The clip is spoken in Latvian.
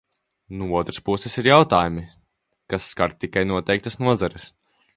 No otras puses, ir jautājumi, kas skar tikai noteiktas nozares.